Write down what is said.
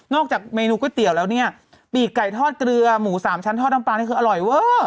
จากเมนูก๋วยเตี๋ยวแล้วเนี่ยปีกไก่ทอดเกลือหมูสามชั้นทอดน้ำปลานี่คืออร่อยเวอร์